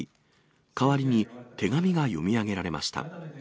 代わりに、手紙が読み上げられました。